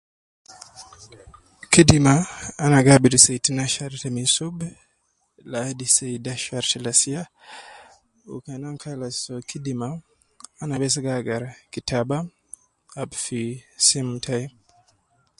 Kidima ana gi abidu saa itnashar ta minsub ladi saa itnashar ta lasiya. Umh Kan ana kalasu ana bes gi agara kitabaa Al fi sim tayi